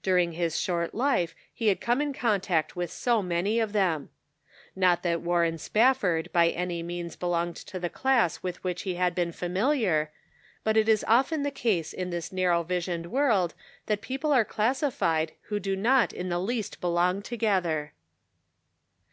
During his short life he "They Are Not Wise." 183 had come in contact with so many of them ! Not that Warren Spafford by any means be lon^ed to the class with which he had been O Ltmiliar, but it is often the case in this narrow visioned world that people are classified who do not in the least belong together.